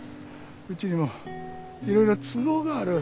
うちにもいろいろ都合がある。